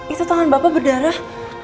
itu tangan bapak berdarah